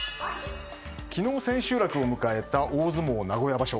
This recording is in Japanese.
昨日、千秋楽を迎えた大相撲名古屋場所。